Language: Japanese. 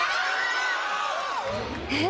えっ？